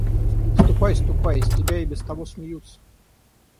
– Ступай! ступай! с тебя и без того смеются!